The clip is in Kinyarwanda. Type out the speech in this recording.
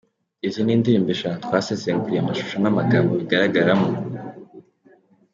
Izi ni indirimbo eshanu twasesenguriye amashusho n’amagambo bigaragaramo.